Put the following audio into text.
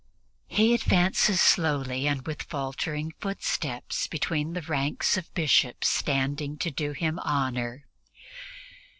He advances slowly and with faltering footsteps between the ranks of Bishops standing to do him honor.